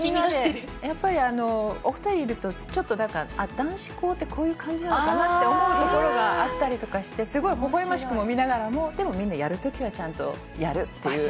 やっぱり、お２人いるとちょっとなんか、男子校ってこういう感じなのかなって思うところがあったりとかして、すごいほほえましくも見ながらも、でもみんなやるときはちゃんとやるっていう。